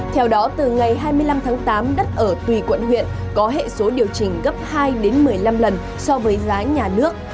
theo đó từ ngày hai mươi năm tháng tám đất ở tùy quận huyện có hệ số điều chỉnh gấp hai đến một mươi năm lần so với giá nhà nước